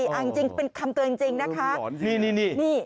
อ่าจริงจริงเป็นคำเกลือจริงจริงนะคะนี่นี่นี่นี่